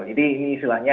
jadi ini istilahnya